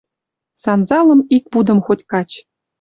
Санзалым ик пудым хоть кач...